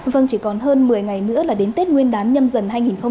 vâng chỉ còn hơn một mươi ngày nữa là đến tết nguyên đán nhâm dần hai nghìn hai mươi bốn